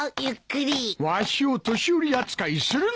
わしを年寄り扱いするな！